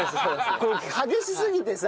こう激しすぎてさ。